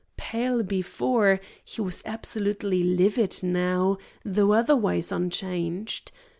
Pale before, he was absolutely livid now, though otherwise unchanged.